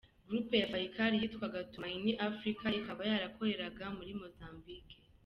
Groupe ya Fayçal yitwaga ‘Tumaini Africa’ ikaba yarakoreraga muri Mozambique.